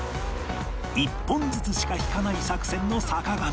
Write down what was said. １本ずつしか引かない作戦の坂上